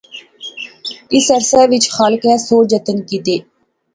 اس عرصے وچ خالقیں سو جتن کیتے